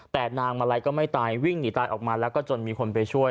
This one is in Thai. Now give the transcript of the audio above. แต่นางมาลัยก็ไม่ตายวิ่งหนีตายออกมาแล้วก็จนมีคนไปช่วย